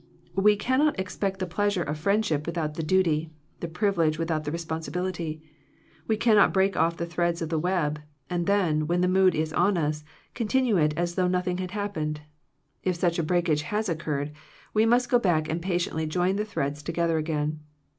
We cannot ex pect the pleasure of friendship without the duty, the privilege without the re sponsibility. We cannot break off the threads of the web, and then, when the mood is on us, continue it as though nothing had happened. If such a break age has occurred, we must go back and patiently join the threads together again.